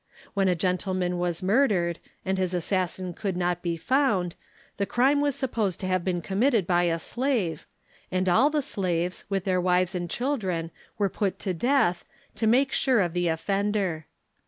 When a gentleman Avas murdered, and his assassin could not be found, the crime was supposed to have been committed by a slave, and all the slaves, with their wives and children, were put to death, to make sure of the offender.